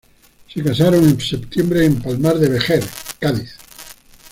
Se casaron en septiembre en El Palmar de Vejer, Cádiz.